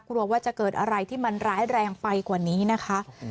กลัวว่าจะเกิดอะไรที่มันร้ายแรงไปกว่านี้นะคะ